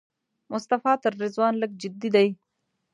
مصطفی تر رضوان لږ جدي دی.